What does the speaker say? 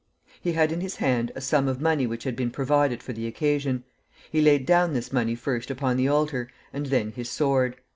He had in his hand a sum of money which had been provided for the occasion. He laid down this money first upon the altar, and then his sword.